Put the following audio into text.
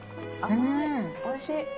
おいしい。